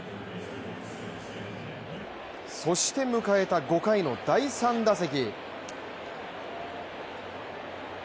そして迎えた５回の第３打席。